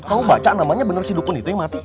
kamu baca namanya bener si dukun itu yang mati